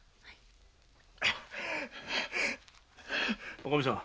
おかみさん